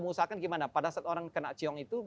mengusahakan gimana pada saat orang kena ciong itu